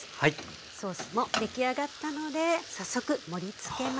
ソースも出来上がったので早速盛りつけます。